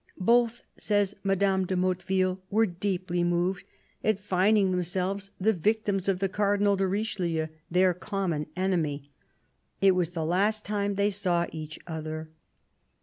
" Both," says Madame de Motte ville, " were deeply moved at finding themselves the victims of the Cardinal de Richelieu, their common enemy. It was the last time they saw each other."